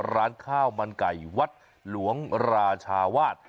ร้านข้าวมันไก่วัดหลวงราชาวาส